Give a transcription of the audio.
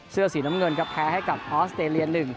เสื้อสีน้ำเงินครับแพ้ให้กับออสเตรเลีย๑